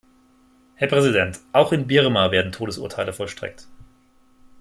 Herr Präsident, auch in Birma werden Todesurteile vollstreckt.